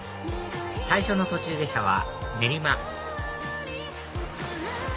最初の途中下車は練馬